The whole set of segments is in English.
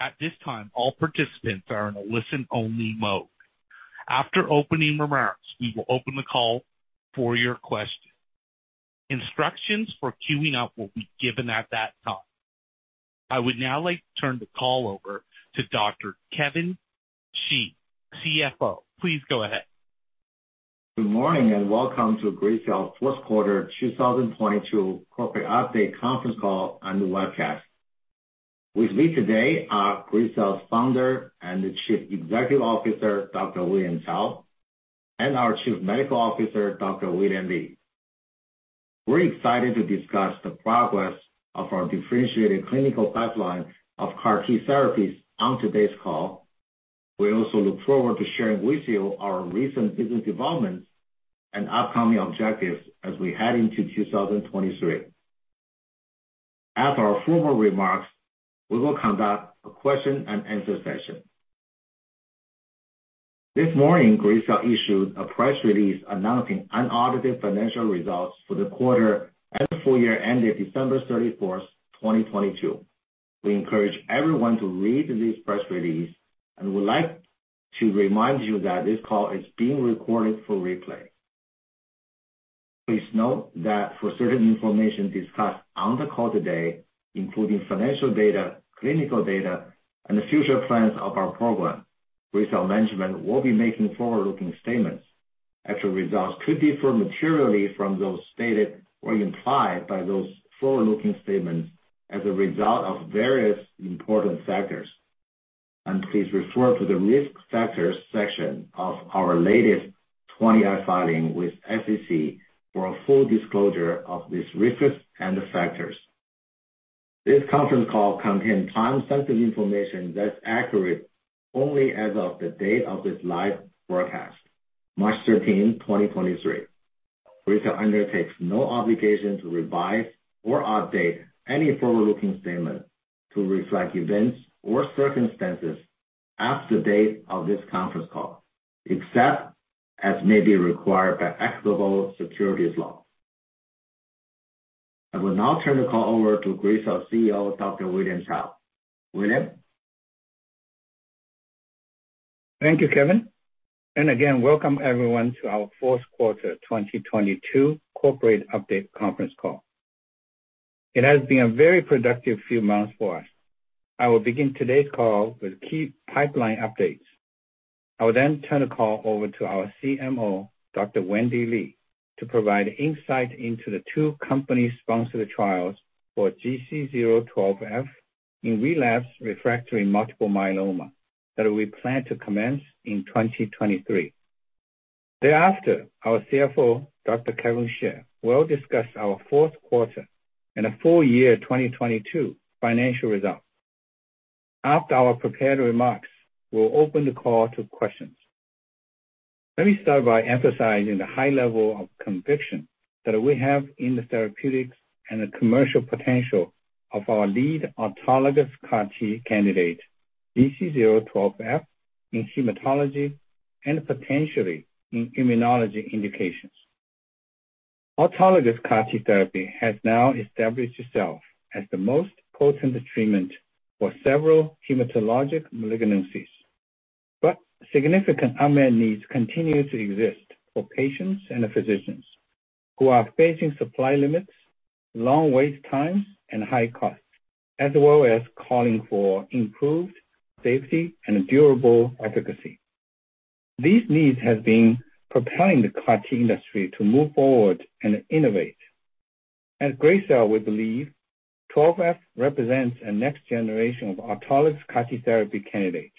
At this time, all participants are in a listen-only mode. After opening remarks, we will open the call for your questions. Instructions for queuing up will be given at that time. I would now like to turn the call over to Dr. Kevin Xie, CFO. Please go ahead. Good morning, and welcome to Gracell's fourth quarter 2022 corporate update conference call and the webcast. With me today are Gracell's founder and Chief Executive Officer, Dr. William Cao, and our Chief Medical Officer, Dr. Wendy Li. We're excited to discuss the progress of our differentiated clinical pipeline of CAR-T therapies on today's call. We also look forward to sharing with you our recent business developments and upcoming objectives as we head into 2023. After our formal remarks, we will conduct a question-and-answer session. This morning, Gracell issued a press release announcing unaudited financial results for the quarter and the full year ended December 31st, 2022. We encourage everyone to read this press release and would like to remind you that this call is being recorded for replay. Please note that for certain information discussed on the call today, including financial data, clinical data, and the future plans of our program, Gracell management will be making forward-looking statements. Actual results could differ materially from those stated or implied by those forward-looking statements as a result of various important factors. Please refer to the Risk Factors section of our latest 20-F filing with SEC for a full disclosure of these risks and factors. This conference call contains time-sensitive information that's accurate only as of the date of this live broadcast, March 13, 2023. Gracell undertakes no obligation to revise or update any forward-looking statement to reflect events or circumstances after the date of this conference call, except as may be required by applicable securities laws. I will now turn the call over to Gracell CEO, Dr. William Cao. William? Thank you, Kevin, and again, welcome everyone to our fourth quarter 2022 corporate update conference call. It has been a very productive few months for us. I will begin today's call with key pipeline updates. I will then turn the call over to our CMO, Dr. Wendy Li, to provide insight into the two company-sponsored trials for GC012F in relapsed/refractory multiple myeloma that we plan to commence in 2023. Thereafter, our CFO, Dr. Kevin Xie, will discuss our fourth quarter and the full year 2022 financial results. After our prepared remarks, we'll open the call to questions. Let me start by emphasizing the high level of conviction that we have in the therapeutics and the commercial potential of our lead autologous CAR-T candidate, GC012F, in hematology and potentially in immunology indications. Autologous CAR-T therapy has now established itself as the most potent treatment for several hematologic malignancies. Significant unmet needs continue to exist for patients and physicians who are facing supply limits, long wait times, and high costs, as well as calling for improved safety and durable efficacy. These needs have been propelling the CAR-T industry to move forward and innovate. At Gracell, we believe GC012F represents a next generation of autologous CAR-T therapy candidate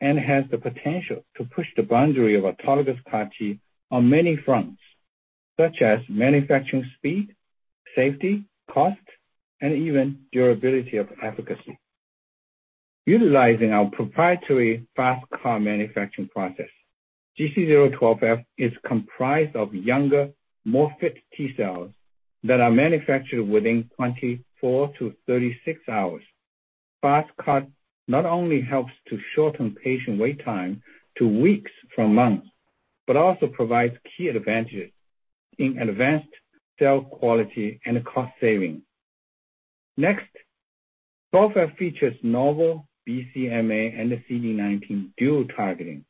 and has the potential to push the boundary of autologous CAR-T on many fronts, such as manufacturing speed, safety, cost, and even durability of efficacy. Utilizing our proprietary FasTCAR manufacturing process, GC012F is comprised of younger, more fit T-cells that are manufactured within 24-36 hours. FasTCAR not only helps to shorten patient wait time to weeks from months, but also provides key advantages in advanced cell quality and cost saving. GC012F features novel BCMA and CD19 dual targeting.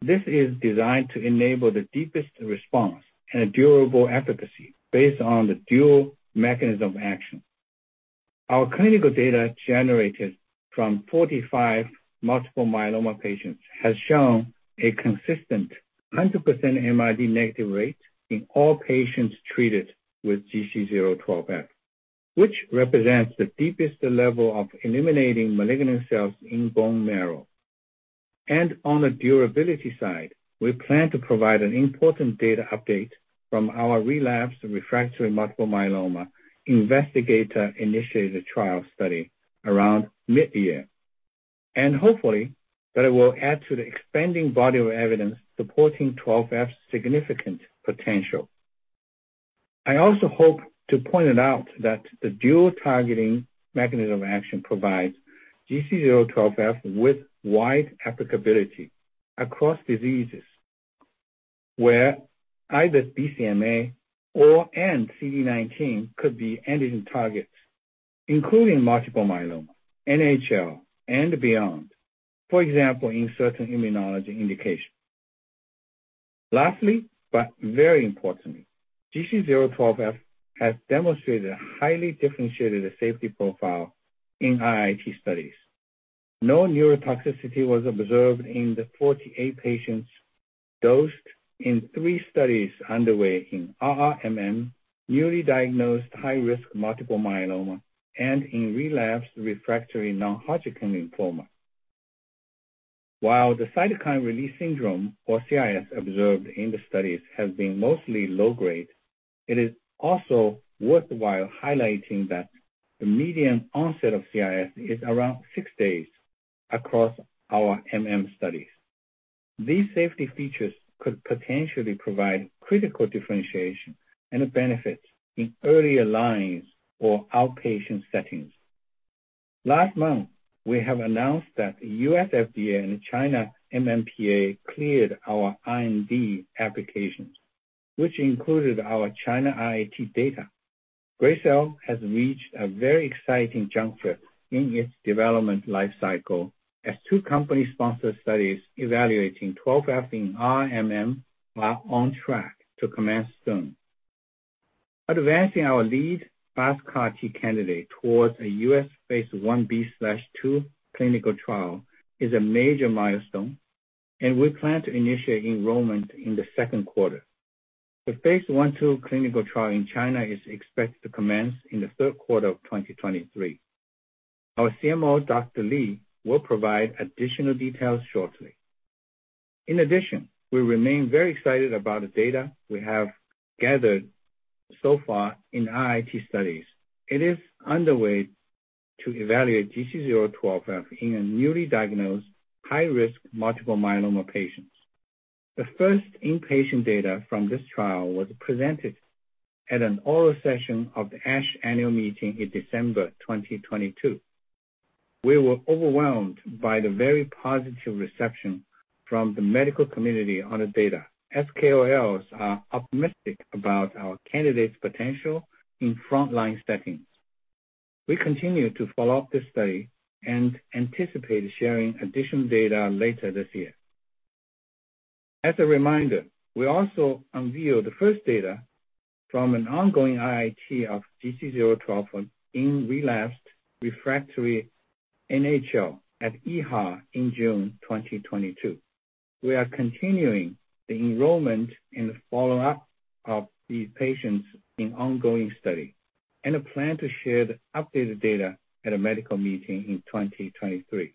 This is designed to enable the deepest response and durable efficacy based on the dual mechanism action. Our clinical data generated from 45 multiple myeloma patients has shown a consistent 100% MRD-negative rate in all patients treated with GC012F, which represents the deepest level of eliminating malignant cells in bone marrow. On the durability side, we plan to provide an important data update from our relapsed/refractory multiple myeloma investigator-initiated trial study around mid-year, and hopefully that will add to the expanding body of evidence supporting GC012F's significant potential. I also hope to point it out that the dual targeting mechanism action provides GC012F with wide applicability across diseases, where either BCMA or, and CD19 could be antigen targets, including multiple myeloma, NHL, and beyond, for example, in certain immunology indications. Lastly, but very importantly, GC012F has demonstrated a highly differentiated safety profile in IIT studies. No neurotoxicity was observed in the 48 patients dosed in 3 studies underway in RRMM, newly diagnosed high-risk multiple myeloma, and in relapsed refractory non-Hodgkin lymphoma. While the cytokine release syndrome, or CRS, observed in the studies has been mostly low grade, it is also worthwhile highlighting that the median onset of CRS is around 6 days across our MM studies. These safety features could potentially provide critical differentiation and benefits in earlier lines or outpatient settings. Last month, we have announced that the U.S. FDA and China NMPA cleared our IND applications, which included our China IIT data. Gracell has reached a very exciting juncture in its development life cycle as two company-sponsored studies evaluating GC012F and RRMM are on track to commence soon. Advancing our lead BiSCAR-T candidate towards a U.S. phase Ib/II clinical trial is a major milestone, and we plan to initiate enrollment in the second quarter. The phase I/II clinical trial in China is expected to commence in the third quarter of 2023. Our CMO, Dr. Li, will provide additional details shortly. We remain very excited about the data we have gathered so far in IIT studies. It is underway to evaluate GC012F in a newly diagnosed high-risk multiple myeloma patients. The first in-patient data from this trial was presented at an oral session of the ASH annual meeting in December 2022. We were overwhelmed by the very positive reception from the medical community on the data. KOLs are optimistic about our candidate's potential in frontline settings. We continue to follow up this study and anticipate sharing additional data later this year. As a reminder, we also unveiled the first data from an ongoing IIT of GC012F in relapsed/refractory NHL at EHA in June 2022. We are continuing the enrollment and the follow-up of these patients in ongoing study. A plan to share the updated data at a medical meeting in 2023.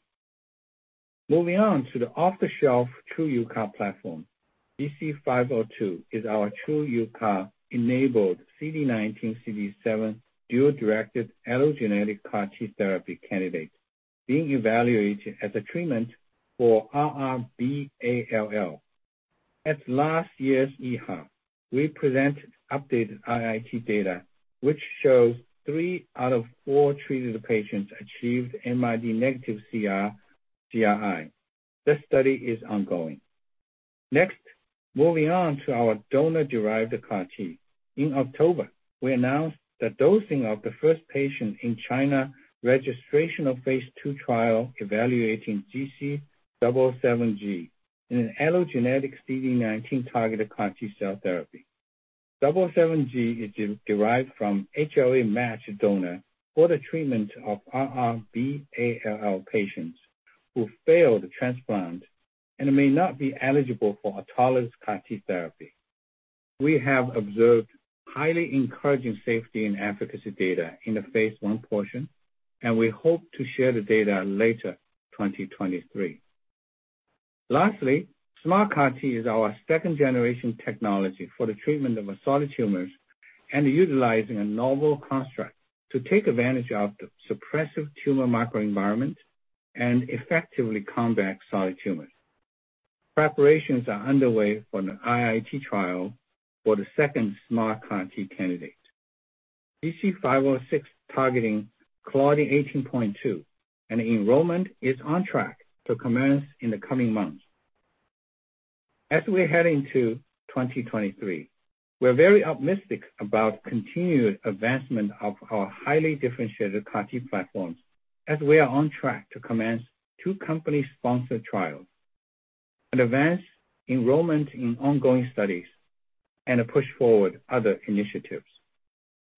Moving on to the off-the-shelf TruUCAR platform. GC502 is our TruUCAR-enabled CD19/CD7 dual-directed allogeneic CAR-T therapy candidate being evaluated as a treatment for r/r B-ALL. At last year's EHA, we presented updated IIT data which shows 3 out of 4 treated patients achieved MRD-negative CR, CRi. This study is ongoing. Next, moving on to our donor-derived CAR-T. In October, we announced the dosing of the first patient in China registrational phase II trial evaluating GC007g in an allogeneic CD19-targeted CAR-T therapy. GC007g is derived from HLA-matched donor for the treatment of r/r B-ALL patients who failed transplant and may not be eligible for autologous CAR-T therapy. We have observed highly encouraging safety and efficacy data in the phase I portion, and we hope to share the data later 2023. Lastly, SMART CAR-T is our second-generation technology for the treatment of solid tumors and utilizing a novel construct to take advantage of the suppressive tumor microenvironment and effectively combat solid tumors. Preparations are underway for an IIT trial for the second SMART CAR-T candidate. GC506 targeting Claudin 18.2, enrollment is on track to commence in the coming months. As we're heading to 2023, we're very optimistic about continued advancement of our highly differentiated CAR-T platforms as we are on track to commence 2 company-sponsored trials, advance enrollment in ongoing studies, and push forward other initiatives.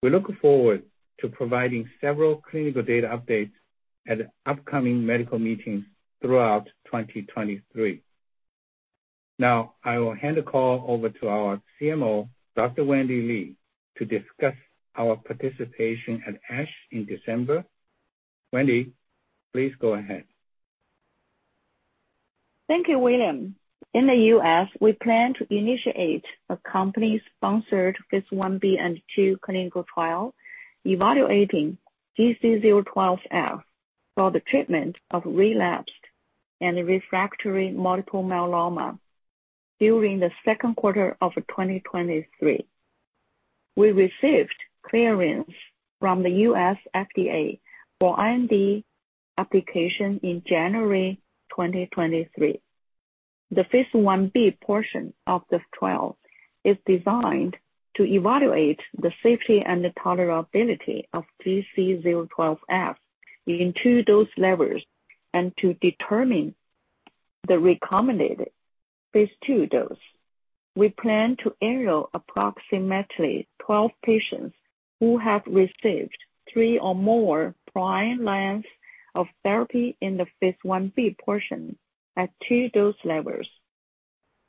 We look forward to providing several clinical data updates at upcoming medical meetings throughout 2023. Now, I will hand the call over to our CMO, Dr. Wendy Li, to discuss our participation at ASH in December. Wendy, please go ahead. Thank you, William. In the U.S., we plan to initiate a company-sponsored phase Ib and II clinical trial evaluating GC012F for the treatment of relapsed and refractory multiple myeloma during the second quarter of 2023. We received clearance from the U.S. FDA for IND application in January 2023. The phase Ib portion of the trial is designed to evaluate the safety and the tolerability of GC012F in 2 dose levels and to determine the recommended phase II dose. We plan to enroll approximately 12 patients who have received three or more prior lines of therapy in the phase Ib portion at 2 dose levels.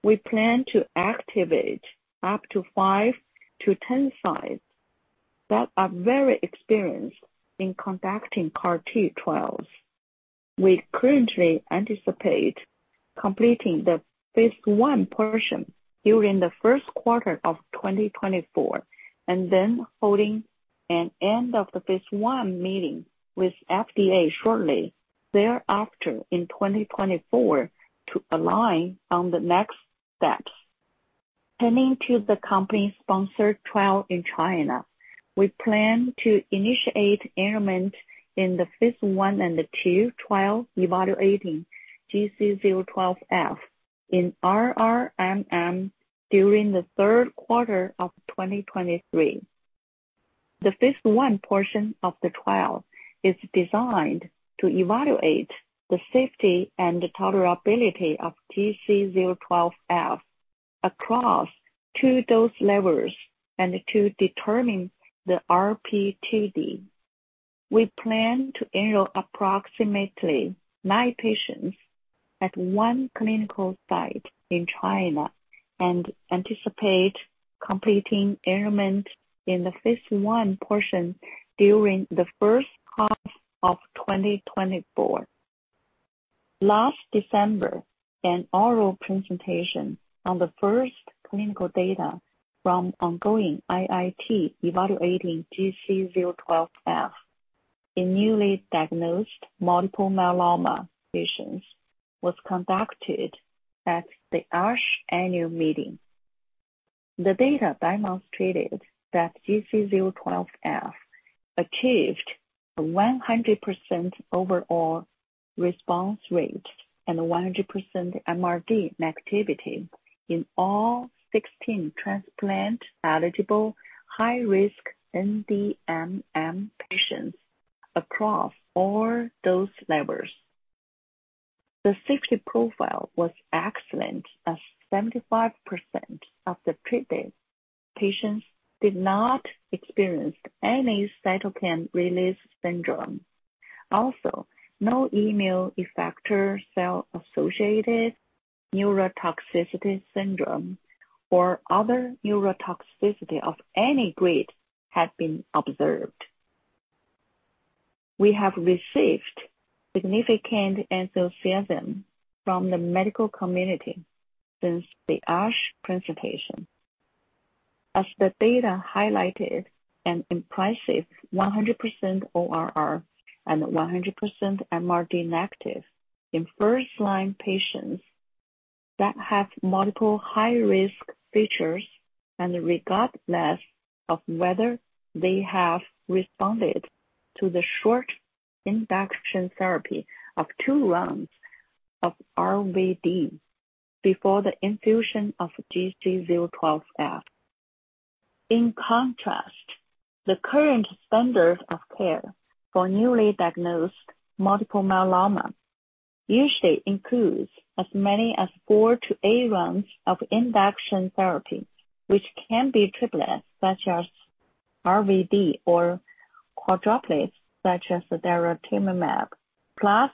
We plan to activate up to five to 10 sites that are very experienced in conducting CAR-T trials. We currently anticipate completing the phase I portion during the first quarter of 2024, and then holding an end of the phase I meeting with FDA shortly thereafter in 2024 to align on the next steps. Turning to the company's sponsored trial in China. We plan to initiate enrollment in the phase I/II trial evaluating GC012F in RRMM during the third quarter of 2023. The phase I portion of the trial is designed to evaluate the safety and the tolerability of GC012F across 2 dose levels and to determine the RP2D. We plan to enroll approximately 9 patients at 1 clinical site in China and anticipate completing enrollment in the phase I portion during the first half of 2024. Last December, an oral presentation on the first clinical data from ongoing IIT evaluating GC012F in newly diagnosed multiple myeloma patients was conducted at the ASH annual meeting. The data demonstrated that GC012F achieved a 100% overall response rate and a 100% MRD negativity in all 16 transplant-eligible high-risk NDMM patients across all dose levels. The safety profile was excellent, as 75% of the treated patients did not experience any cytokine release syndrome. No immune effector cell-associated neurotoxicity syndrome or other neurotoxicity of any grade has been observed. We have received significant enthusiasm from the medical community since the ASH presentation. The data highlighted an impressive 100% ORR and 100% MRD-negative in first-line patients that have multiple high-risk features and regardless of whether they have responded to the short induction therapy of two rounds of RVD before the infusion of GC012F. In contrast, the current standard of care for newly diagnosed multiple myeloma usually includes as many as 4 to 8 rounds of induction therapy, which can be triplets such as RVD, or quadruplets such as daratumumab plus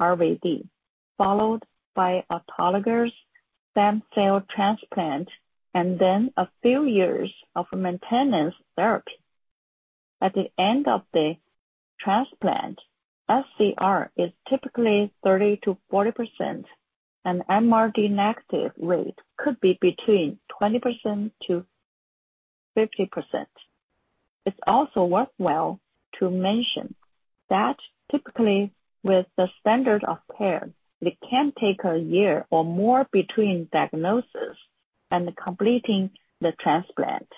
RVD, followed by autologous stem cell transplant, and then a few years of maintenance therapy. At the end of the transplant, sCR is typically 30%-40%, and MRD-negative rate could be between 20%-50%. It's also worthwhile to mention that typically with the standard of care, it can take 1 year or more between diagnosis and completing the transplant,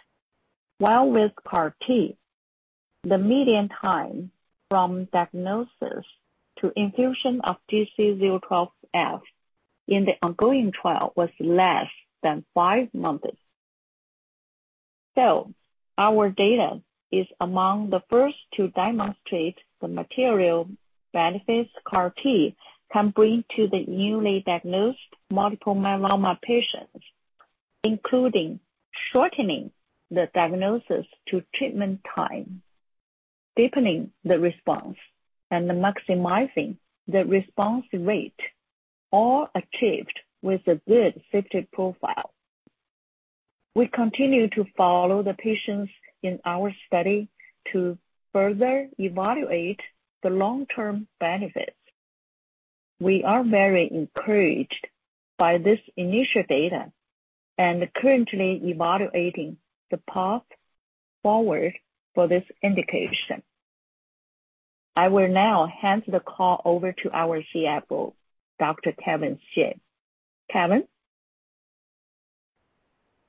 while with CAR-T, the median time from diagnosis to infusion of GC012F in the ongoing trial was less than 5 months. Our data is among the first to demonstrate the material benefits CAR-T can bring to the newly diagnosed multiple myeloma patients, including shortening the diagnosis to treatment time, deepening the response, and maximizing the response rate, all achieved with a good safety profile. We continue to follow the patients in our study to further evaluate the long-term benefits. We are very encouraged by this initial data and currently evaluating the path forward for this indication. I will now hand the call over to our CFO, Dr. Kevin Xie. Kevin?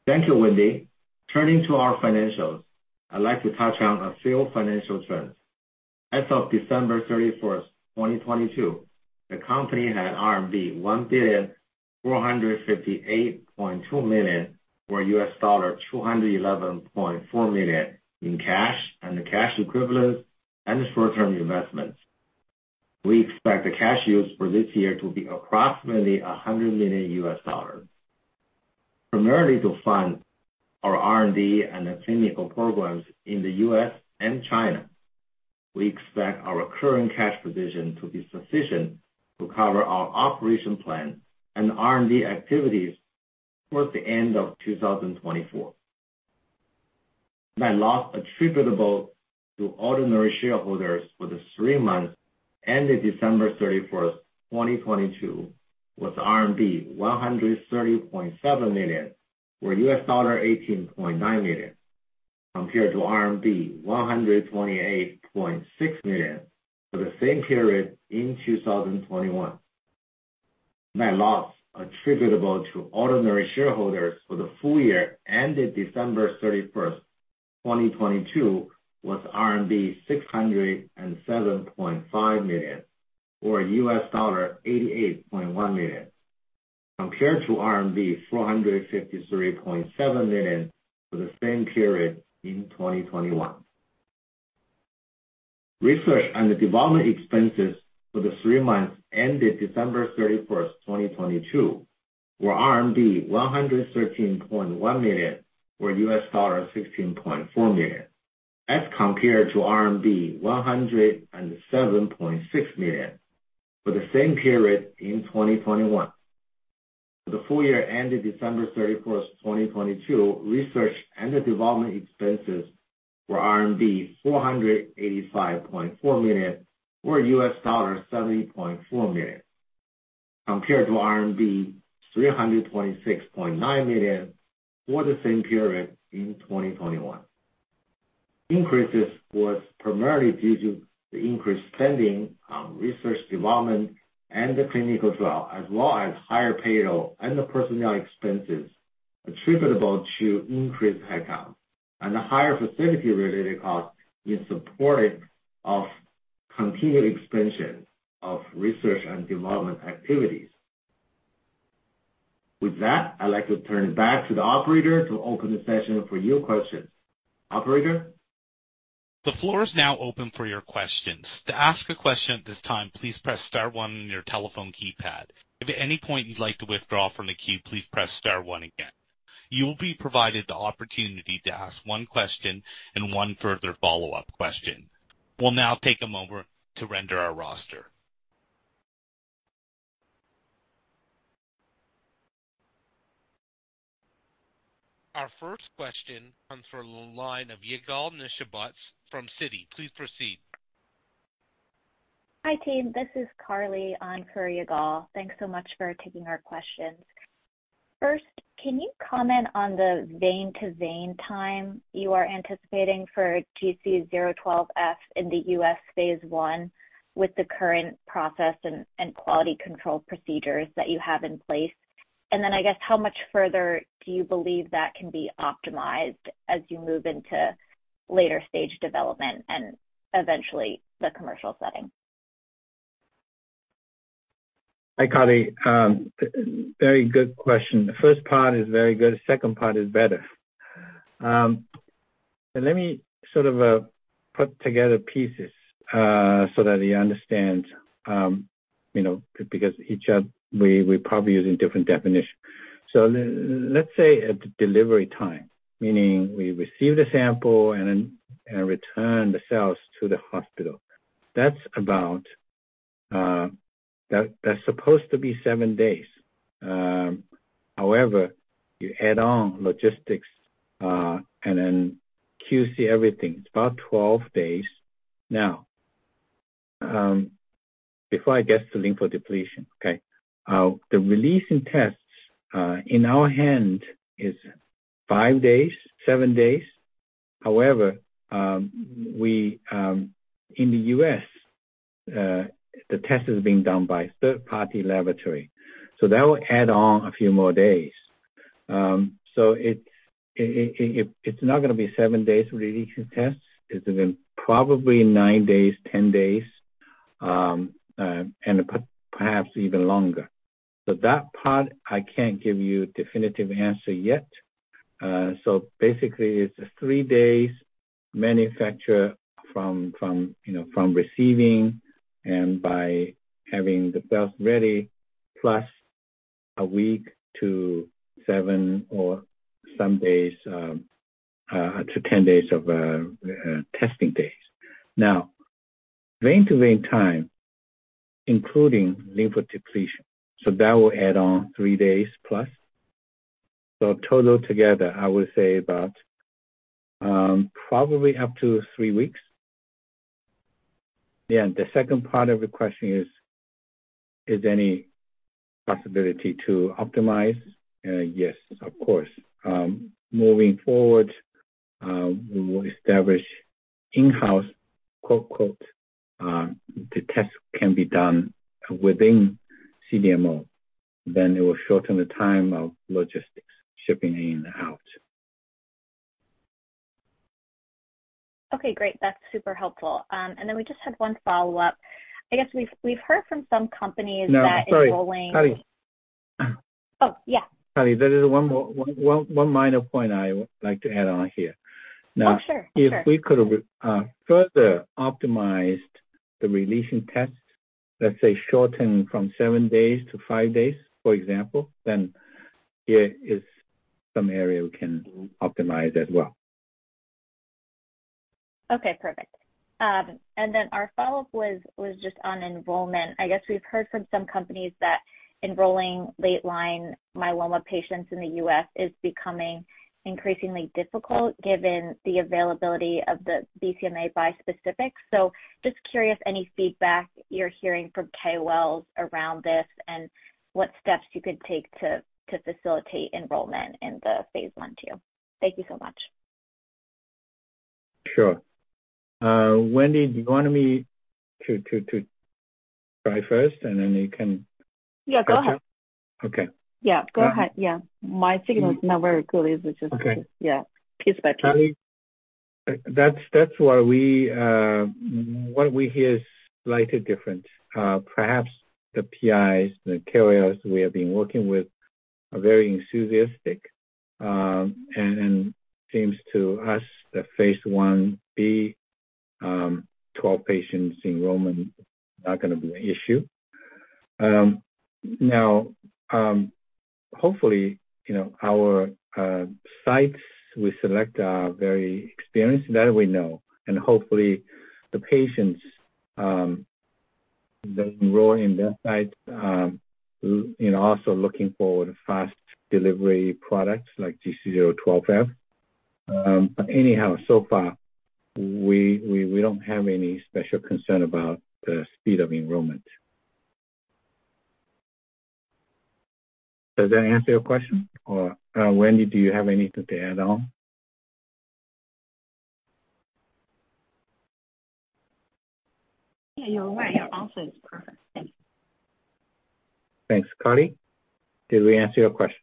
Thank you, Wendy. Turning to our financials, I'd like to touch on a few financial trends. As of December 31, 2022, the company had RMB 1,458.2 million, or $211.4 million in cash and cash equivalents and short-term investments. We expect the cash use for this year to be approximately $100 million. Primarily to fund our R&D and clinical programs in the U.S. and China. We expect our current cash position to be sufficient to cover our operation plan and R&D activities towards the end of 2024. Net loss attributable to ordinary shareholders for the three months ended December 31st, 2022 was RMB 130.7 million, or $18.9 million, compared to RMB 128.6 million for the same period in 2021. Net loss attributable to ordinary shareholders for the full year ended December 31st, 2022 was RMB 607.5 million, or $88.1 million, compared to RMB 453.7 million for the same period in 2021. Research and development expenses for the three months ended December 31st, 2022 were RMB 113.1 million, or $16.4 million, as compared to RMB 107.6 million for the same period in 2021. For the full year ended December thirty-first, 2022, research and development expenses were RMB 485.4 million or $70.4 million, compared to RMB 326.9 million for the same period in 2021. Increases was primarily due to the increased spending on research development and the clinical trial, as well as higher payroll and the personnel expenses attributable to increased headcount, and higher facility-related costs in support of continued expansion of research and development activities. With that, I'd like to turn it back to the operator to open the session for your questions. Operator? The floor is now open for your questions. To ask a question at this time, please press star one on your telephone keypad. If at any point you'd like to withdraw from the queue, please press star one again. You will be provided the opportunity to ask one question and one further follow-up question. We'll now take a moment to render our roster. Our first question comes from the line of Carly Kenselaar from Citi. Please proceed. Hi, team. This is Carly on for Yigal. Thanks so much for taking our questions. Can you comment on the vein-to-vein time you are anticipating for GC012F in the U.S. phase I with the current process and quality control procedures that you have in place? I guess, how much further do you believe that can be optimized as you move into later stage development and eventually the commercial setting? Hi, Carly. Very good question. The first part is very good. Second part is better. Let me sort of put together pieces so that you understand, you know, because we're probably using different definition. Let's say at the delivery time, meaning we receive the sample and then, and return the cells to the hospital. That's about that's supposed to be 7 days. However, you add on logistics, and then QC everything, it's about 12 days. Now, before I get to lymphodepletion, okay, the release in tests in our hand is 5 days, 7 days. However, we in the U.S., the test is being done by third-party laboratory, so that will add on a few more days. It's not gonna be 7 days release of tests. It's been probably 9 days, 10 days, and perhaps even longer. That part I can't give you definitive answer yet. Basically it's 3 days manufacture from, you know, from receiving and by having the cells ready, plus 1 week to 7 or some days to 10 days of testing days. Vein-to-vein time, including lymphodepletion, that will add on 3 days plus. Total together, I would say about probably up to 3 weeks. The second part of the question is: Is any possibility to optimize? Yes, of course. Moving forward, we will establish in-house quote, the test can be done within CDMO. It will shorten the time of logistics shipping in and out. Okay, great. That's super helpful. We just had one follow-up. I guess we've heard from some companies that... No, sorry, Carly. Oh, yeah. Carly, there is one minor point I would like to add on here. Oh, sure. Sure. If we could further optimize the releasing test, let's say shorten from 7 days to 5 days, for example, then it is some area we can optimize as well. Okay, perfect. Then our follow-up was just on enrollment. I guess we've heard from some companies that enrolling late line myeloma patients in the U.S. is becoming increasingly difficult given the availability of the BCMA bispecific. Just curious any feedback you're hearing from KOLs around this and what steps you could take to facilitate enrollment in the phase I/II. Thank you so much. Sure. Wendy, do you want me to try first and then you can. Yeah, go ahead. Okay. Yeah, go ahead. Yeah. My signal is not very good. Okay. Yeah. Please go ahead. Carly, that's why we, what we hear is slightly different. Perhaps the PIs, the carriers we have been working with are very enthusiastic, and seems to us that phase Ib, 12 patients enrollment is not going to be an issue. Now, hopefully, you know, our sites we select are very experienced, that we know. Hopefully the patients, that enroll in that site, you know, also looking for the fast delivery products like GC012F. Anyhow, so far we don't have any special concern about the speed of enrollment. Does that answer your question? Or, Wendy, do you have anything to add on? Yeah, your answer is perfect. Thanks. Thanks. Carly, did we answer your question?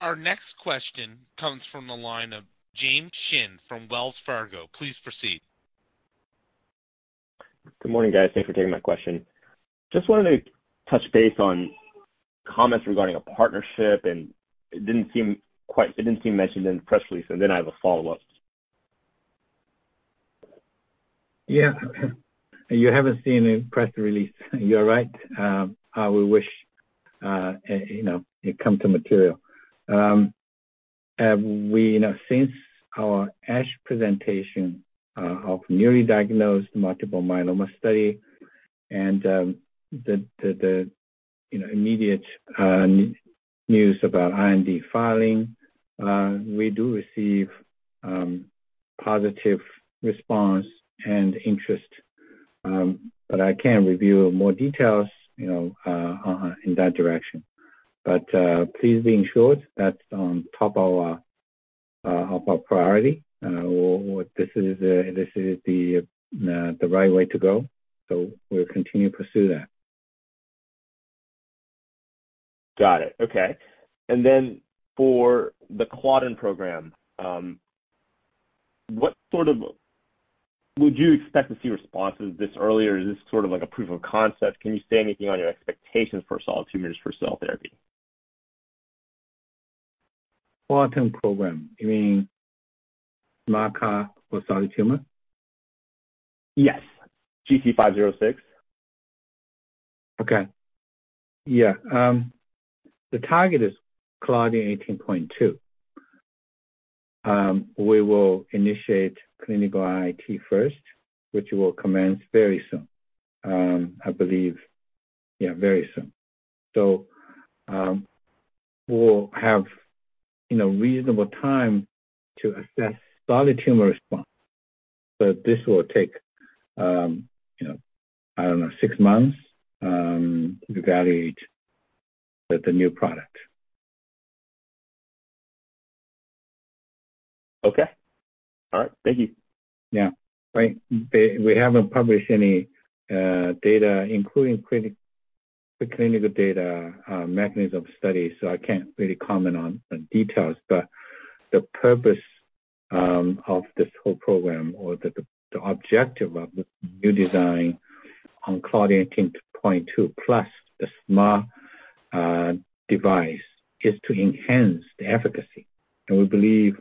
Our next question comes from the line of James Shin from Wells Fargo. Please proceed. Good morning, guys. Thanks for taking my question. Just wanted to touch base on comments regarding a partnership, it didn't seem mentioned in the press release. I have a follow-up. Yeah. You haven't seen a press release. You're right. I would wish, you know, it come to material. We, you know, since our ASH presentation of newly diagnosed multiple myeloma study and the, you know, immediate news about IND filing, we do receive positive response and interest. I can't reveal more details, you know, on, in that direction. Please be ensured that's on top of our priority. This is the right way to go. We'll continue to pursue that. Got it. Okay. Then for the Claudin program, what sort of would you expect to see responses this early or is this sort of like a proof of concept? Can you say anything on your expectations for solid tumors for cell therapy? Claudin program, you mean SMART CAR-T for solid tumor? Yes. GC506. Okay. Yeah. The target is Claudin 18.2. We will initiate clinical IIT first, which will commence very soon, I believe. Yeah, very soon. We'll have, you know, reasonable time to assess solid tumor response. This will take, you know, I don't know, six months, to evaluate the new product. Okay. All right. Thank you. Yeah. Right. We haven't published any data, including the clinical data, mechanism of studies, so I can't really comment on the details. The purpose of this whole program or the objective of the new design on Claudin 18.2+ the SMART device is to enhance the efficacy. We believe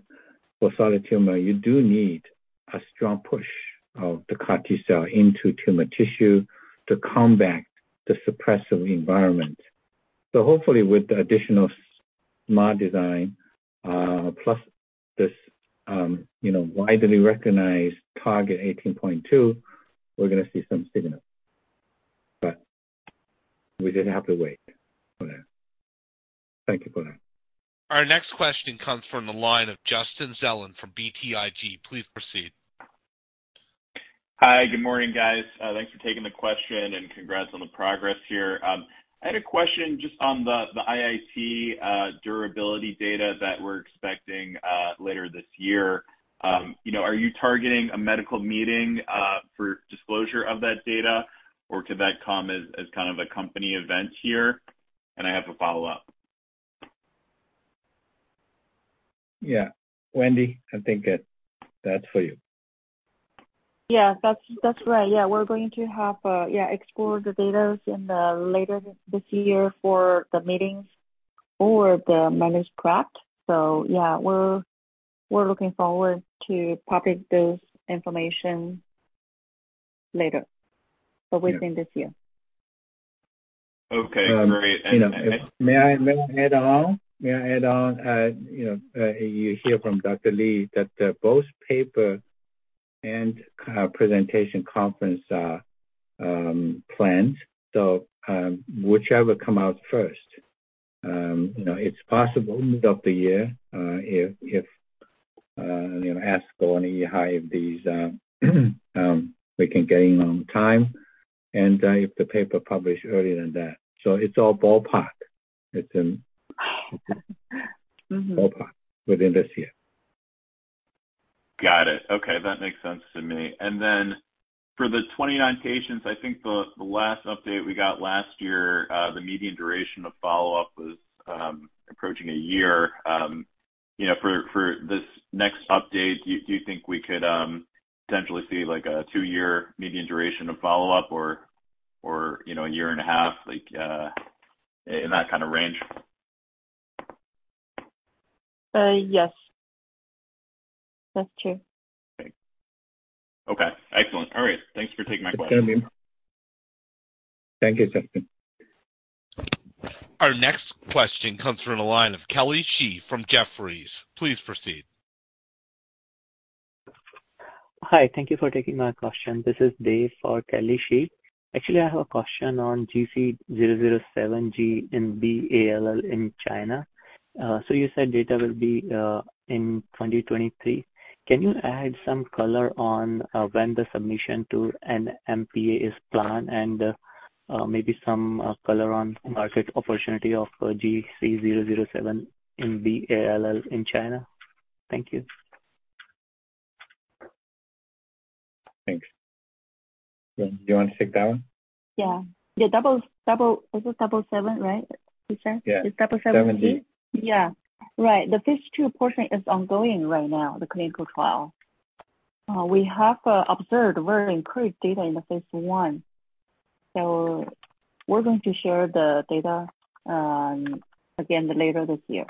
for solid tumor you do need a strong push of the CAR-T cell into tumor tissue to combat the suppressive environment. Hopefully with the additional SMA design, plus this, you know, widely recognized target 18.2, we're going to see some signal. We just have to wait for that. Thank you, Brian. Our next question comes from the line of Justin Zelin from BTIG. Please proceed. Hi. Good morning, guys. Thanks for taking the question, and congrats on the progress here. I had a question just on the IIT durability data that we're expecting later this year. You know, are you targeting a medical meeting for disclosure of that data, or could that come as kind of a company event here? I have a follow-up. Yeah. Wendy, I think that that's for you. That's right. We're going to explore the data in the later this year for the meetings or the managed practice. We're looking forward to public this information later but within this year. Okay. Great. You know, may I add on? May I add on, you know, you hear from Dr. Li that the both paper and presentation conference are planned, so whichever come out first. You know, it's possible end of the year, if, you know, ask for any high of these, we can get in on time and if the paper publish earlier than that. It's all ballpark. It's in ballpark within this year. Got it. Okay, that makes sense to me. For the 29 patients, I think the last update we got last year, the median duration of follow-up was approaching a year. You know, for this next update, do you think we could potentially see, like, a 2-year median duration of follow-up or, you know, a year and a half, like, in that kinda range? Yes. That's true. Okay. Okay, excellent. All right. Thanks for taking my question. Thank you. Thank you, Justin. Our next question comes from the line of Kelly Shi from Jefferies. Please proceed. Hi. Thank you for taking my question. This is Dave for Kelly Shi. Actually, I have a question on GC007g in B-ALL in China. You said data will be in 2023. Can you add some color on when the submission to NMPA is planned and maybe some color on market opportunity of GC007g in B-ALL in China? Thank you. Thanks. Do you want to take that one? Yeah. This is 77, right? It's GC007g? GC007g. Yeah. Right. The phase II portion is ongoing right now, the clinical trial. We have observed very improved data in the phase I. We're going to share the data again, later this year.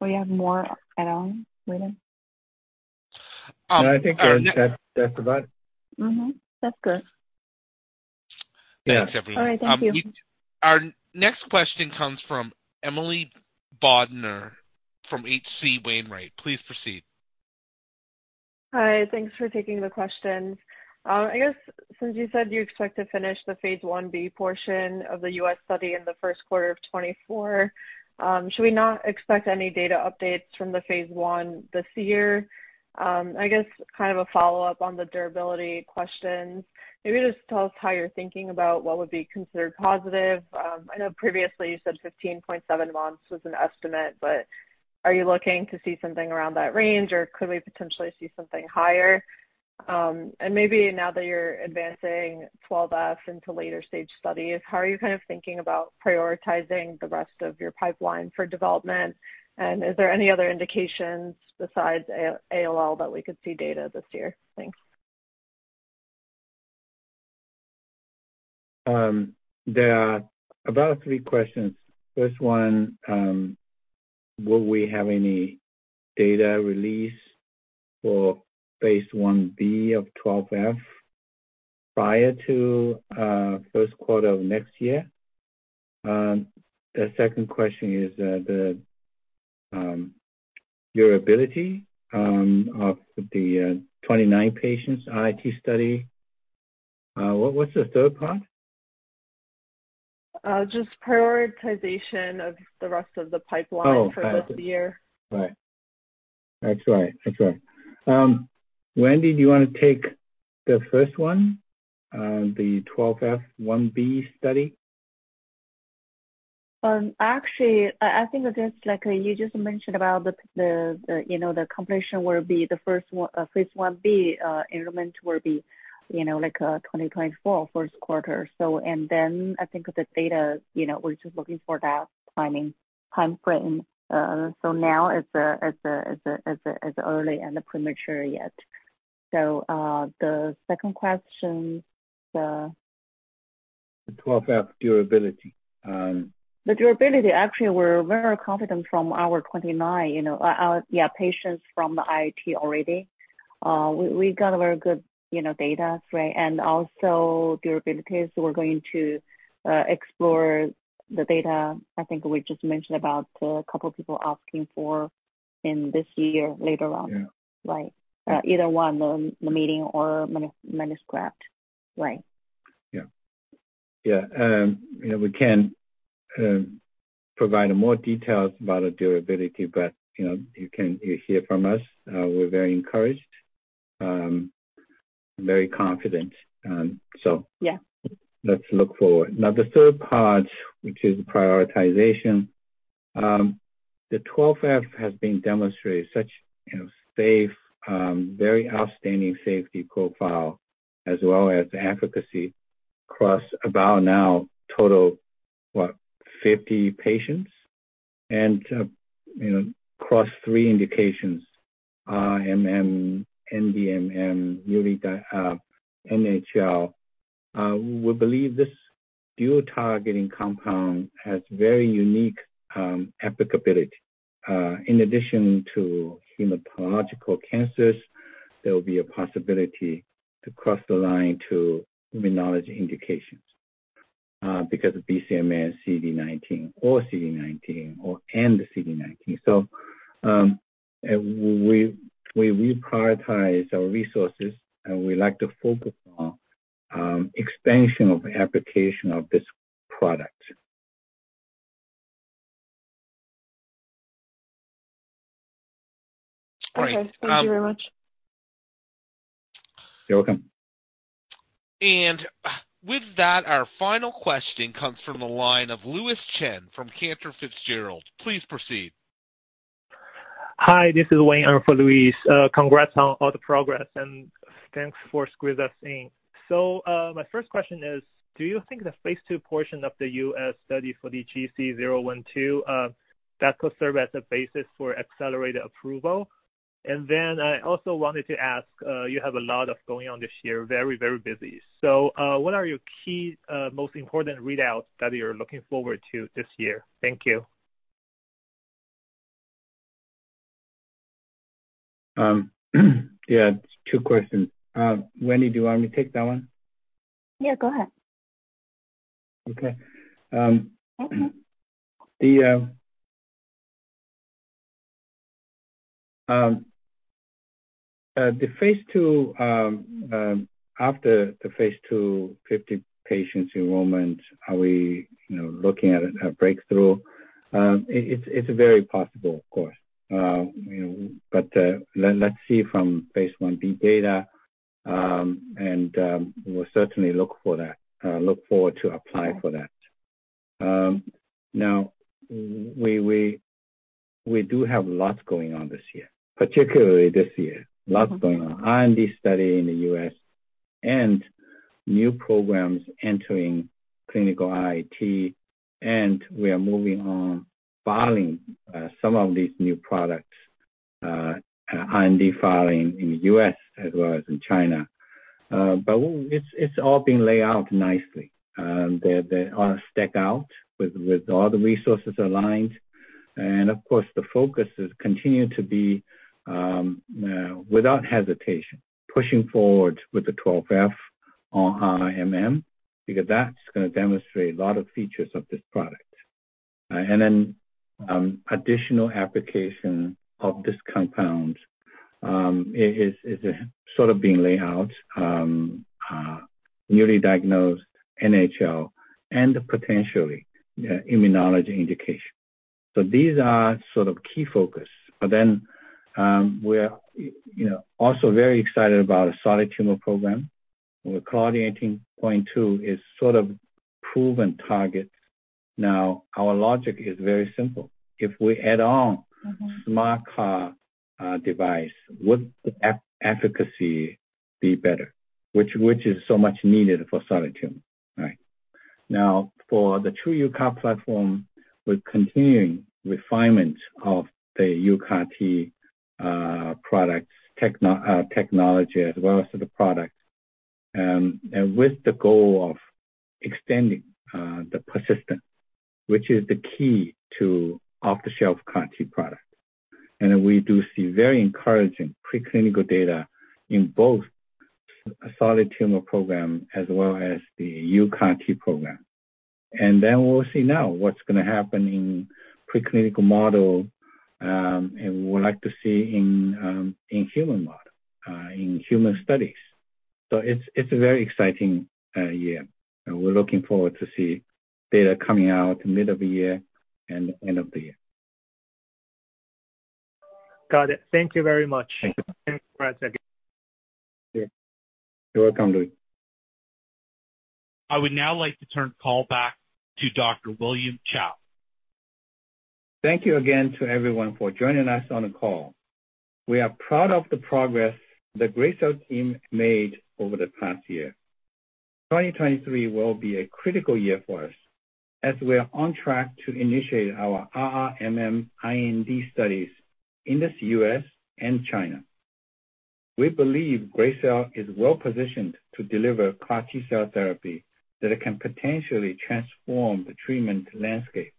We have more add on, William? No, I think that's about it. That's good. Yes. All right. Thank you. Our next question comes from Emily Bodnar from H.C. Wainwright. Please proceed. Hi. Thanks for taking the question. I guess since you said you expect to finish the phase Ib portion of the U.S. study in the first quarter of 2024, should we not expect any data updates from the phase I this year? I guess kind of a follow-up on the durability questions. Maybe just tell us how you're thinking about what would be considered positive. I know previously you said 15.7 months was an estimate, are you looking to see something around that range, or could we potentially see something higher? Maybe now that you're advancing GC012F into later stage studies, how are you kind of thinking about prioritizing the rest of your pipeline for development? Is there any other indications besides B-ALL that we could see data this year? Thanks. There are about three questions. First one, will we have any data release for phase Ib of GC012F prior to first quarter of next year? The second question is the durability of the 29 patients IIT study. What's the third part? Just prioritization of the rest of the pipeline. Oh. Got it. For this year. Right. That's right. That's right. Wendy, do you wanna take the first one, the GC012F 1b study? Actually, I think just like you just mentioned about the, you know, the completion will be the first one, phase Ib enrollment will be, you know, like, 2024 first quarter. I think the data, you know, we're just looking for that timing, timeframe. Now it's early and premature yet. The second question. The GC012F durability. The durability actually we're very confident from our 29, you know, our patients from the IIT already. We got very good, you know, data, right? Also durability. We're going to explore the data, I think we just mentioned about a couple people asking for in this year later on. Right. either one, the meeting or manuscript. Right. Yeah. Yeah, you know, we can provide more details about the durability, but, you know, you hear from us, we're very encouraged, very confident. Let's look forward. Now, the third part, which is prioritization, the GC012F has been demonstrated such, you know, safe, very outstanding safety profile as well as efficacy across about now total, what, 50 patients. you know, across three indications, MM, NDMM, NHL. We believe this dual targeting compound has very unique applicability. In addition to hematological cancers, there will be a possibility to cross the line to immunology indications, because of BCMA CD19 or CD19 or and the CD19. We, we reprioritize our resources, and we like to focus on expansion of application of this product. All right. Okay, thank you very much. You're welcome. With that, our final question comes from the line of Louise Chen from Cantor Fitzgerald. Please proceed. Hi, this is Wayne. I'm for Louise. Congrats on all the progress, and thanks for squeezing us in. My first question is, do you think the phase II portion of the U.S. study for the GC012F, that could serve as a basis for accelerated approval? I also wanted to ask, you have a lot going on this year, very, very busy. What are your key, most important readouts that you're looking forward to this year? Thank you. Yeah, two questions. Wendy, do you want me to take that one? Yeah, go ahead. Okay, the phase II, after the phase II 50 patients enrollment, are we, you know, looking at a breakthrough? It's very possible, of course. You know, let's see from phase Ib data, and we'll certainly look forward to apply for that. Now, we do have lots going on this year, particularly this year. Lots going on. IND study in the U.S. and new programs entering clinical IIT. We are moving on filing, some of these new products, IND filing in the U.S. as well as in China. It's all been laid out nicely. They're, they all stack out with all the resources aligned. Of course, the focus has continued to be, without hesitation, pushing forward with the GC012F on MM, because that's gonna demonstrate a lot of features of this product. Additional application of this compound is sort of being laid out, newly diagnosed NHL and potentially, immunology indication. These are sort of key focus. We're, you know, also very excited about a solid tumor program, where Claudin 18.2 is sort of proven target. Our logic is very simple. If we add SMART CAR-T device, would the efficacy be better? Which is so much needed for solid tumor. Now, for the TruUCAR platform, we're continuing refinement of the UCAR-T technology as well as the product, and with the goal of extending the persistence, which is the key to off-the-shelf CAR-T product. We do see very encouraging preclinical data in both solid tumor program as well as the UCAR-T program. Then we'll see now what's gonna happen in preclinical model, and we would like to see in human model, in human studies. It's a very exciting year, and we're looking forward to see data coming out mid of the year and end of the year. Got it. Thank you very much. Thank you. Thanks, congrats again. You're welcome, Louis. I would now like to turn the call back to Dr. William Cao. Thank you again to everyone for joining us on the call. We are proud of the progress the Gracell team made over the past year. 2023 will be a critical year for us, as we are on track to initiate our RRMM IND studies in the U.S. and China. We believe Gracell is well-positioned to deliver CAR-T-cell therapy that it can potentially transform the treatment landscape.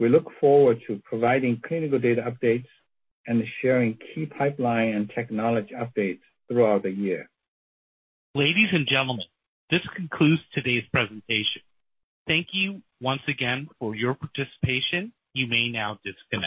We look forward to providing clinical data updates and sharing key pipeline and technology updates throughout the year. Ladies and gentlemen, this concludes today's presentation. Thank you once again for your participation. You may now disconnect.